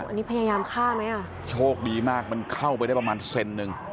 อันนี้พยายามฆ่าไหมอ่ะโชคดีมากมันเข้าไปได้ประมาณเซนหนึ่ง